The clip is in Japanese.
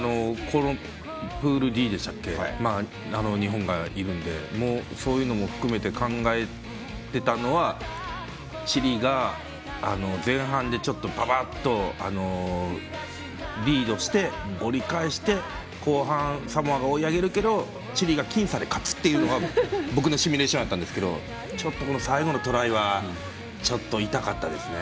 プールＤ日本がいるんでそういうのも含めて考えてたのはチリが前半でちょっとぱぱっとリードして折り返して、後半サモアが追い上げるけどチリが僅差で勝つっていうのが僕のシミュレーションやったんですけど最後のトライはちょっと痛かったですね。